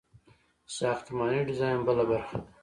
ساختماني ډیزاین بله برخه ده.